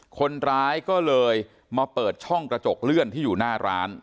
คนร้ายก็เลยมาเปิดช่องกระจกเลื่อนที่อยู่หน้าร้าน